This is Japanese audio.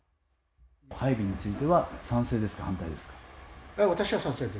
配備については、賛成ですか反対ですか。